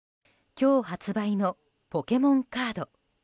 今日発売のポケモンカード。